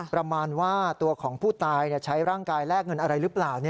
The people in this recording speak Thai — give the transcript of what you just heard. ประมาณว่าตัวของผู้ตายใช้ร่างกายแลกเงินอะไรหรือเปล่า